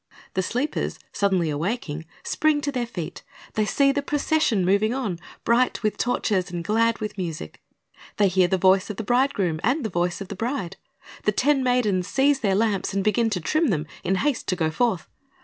The sleepers, suddenly awaking, spring to their feet. They see the procession moving on, bright with torches and glad with music. They hear the voice of the bridegroom and the voice of the bride. The ten maidens seize their lamps and begin to trim them, in haste to go forth.